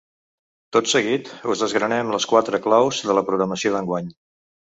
Tot seguit, us desgranem les quatre claus de la programació d’enguany.